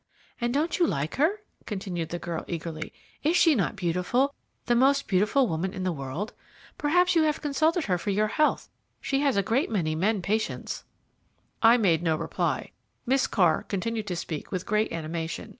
"And don't you like her?" continued the girl eagerly. "Is she not beautiful, the most beautiful woman in the world? Perhaps you have consulted her for your health; she has a great many men patients." I made no reply; Miss Carr continued to speak with great animation.